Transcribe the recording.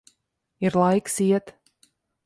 Ir laiks iet.